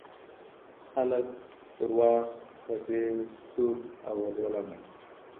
خلګ دروغ په ډیر سور او ولوله مني.